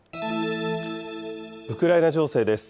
ウクライナ情勢です。